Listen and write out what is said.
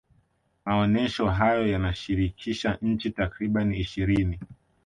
maonesho hayo yanashirikisha nchi takribani ishirini